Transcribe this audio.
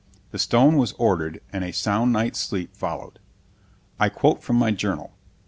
The stone was ordered, and a sound night's sleep followed. I quote from my journal.